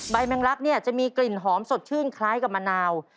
แมงลักเนี่ยจะมีกลิ่นหอมสดชื่นคล้ายกับมะนาว